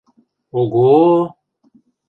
– Ого-о!